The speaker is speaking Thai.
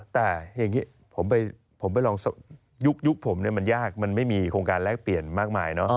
แต่อย่างนี้ยุคผมมันยากมันไม่มีโครงการแลกเปลี่ยนมากมายเนอะ